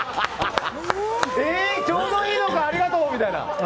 ええ、ちょうどいいのかありがとう！みたいな。